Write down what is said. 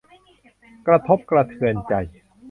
กระทบกระเทือนใจ